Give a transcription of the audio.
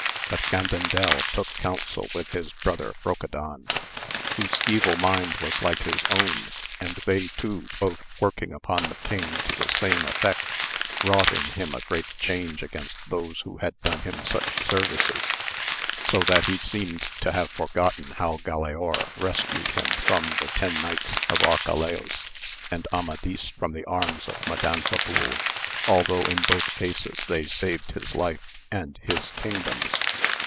But Gandandel took counsel with his cousin Brocadan, whose evil mind was like his own, and they two both working upon the king to the same effect wrought in him a great change against those who had done him such services, so that AMADIS OF GAUL. 105 he seemed to have forgotten how Galaor rescued hun from the ten knights of Arcalaus, and Amadis from the arms of Madanfabul, although in both cases they sayed his life and his* kingdoms.